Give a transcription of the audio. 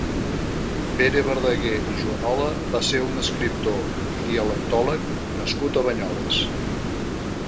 Pere Verdaguer i Juanola va ser un escriptor i dialectòleg nascut a Banyoles.